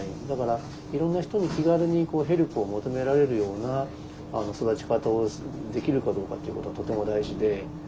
だからいろんな人に気軽にヘルプを求められるような育ち方をできるかどうかっていうことはとても大事で。